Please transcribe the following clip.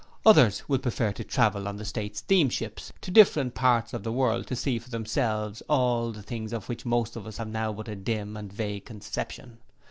Others will prefer to travel on the State steamships to different parts of the world to see for themselves all those things of which most of us have now but a dim and vague conception.